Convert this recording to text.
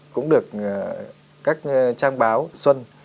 cũng được các trang báo xuân